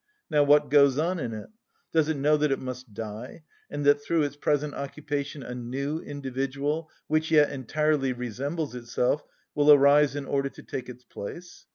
Now what goes on in it? Does it know that it must die, and that through its present occupation a new individual, which yet entirely resembles itself, will arise in order to take its place?